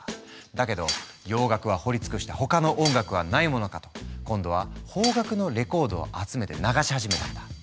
だけど洋楽は掘りつくした他の音楽はないものかと今度は邦楽のレコードを集めて流し始めたんだ。